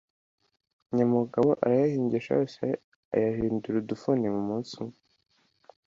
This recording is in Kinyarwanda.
nyamugabo arayahingisha yose ayahindura udufuni mu munsi umwe.